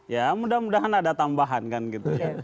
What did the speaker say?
ya mudah mudahan ada tambahan kan gitu ya